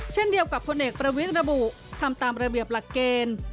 เช่นเดียวกับพลเอกประวิทย์ระบุทำตามระเบียบหลักเกณฑ์